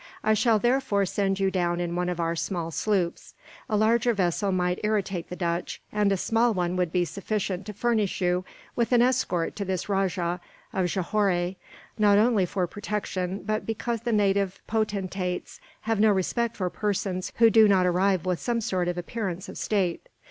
I shall therefore send you down in one of our small sloops. A larger vessel might irritate the Dutch, and a small one would be sufficient to furnish you with an escort to this Rajah of Johore not only for protection, but because the native potentates have no respect for persons who do not arrive with some sort of appearance of state.